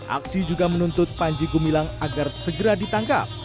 aksi juga menuntut panji gumilang agar segera ditangkap